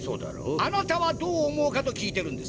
あなたはどう思うかと聞いてるんです。